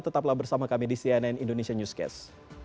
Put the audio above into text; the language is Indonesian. tetaplah bersama kami di cnn indonesia newscast